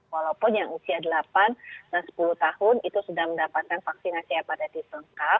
walaupun yang usia delapan dan sepuluh tahun itu sudah mendapatkan vaksinasi hepatitis lengkap